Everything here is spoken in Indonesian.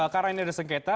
karena ini ada sengketa